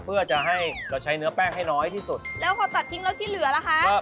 เพื่อจะให้เราใช้เนื้อแป้งให้น้อยที่สุดแล้วพอตัดทิ้งแล้วที่เหลือล่ะคะครับ